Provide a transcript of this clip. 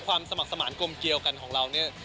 ความสมัครสมานกลมเกี่ยวกันของเรานี่